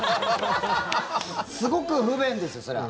すごく不便ですよそれは。